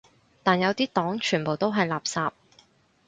但有啲黨全部都係垃圾